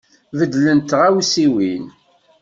Beddlent tɣawsiwin.